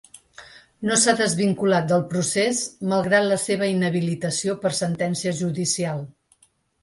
No s’ha desvinculat del procés malgrat la seva inhabilitació per sentència judicial.